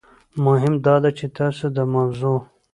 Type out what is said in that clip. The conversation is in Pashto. مهم داده چې تاسو د موضوع